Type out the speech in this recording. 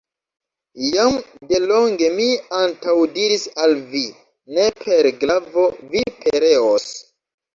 Jam delonge mi antaŭdiris al vi: ne per glavo vi pereos!